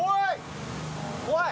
怖い？